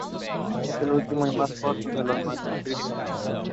He was then sent to France to attend the Naval School in Brest.